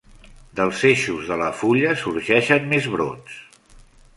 Dels eixos de la fulla sorgeixen més brots.